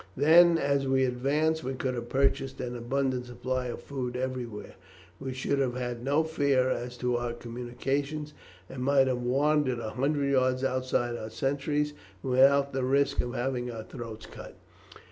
Then, as we advanced we could have purchased an abundant supply of food everywhere. We should have had no fear as to our communications, and might have wandered a hundred yards outside our sentries without the risk of having our throats cut.